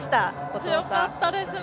強かったですね。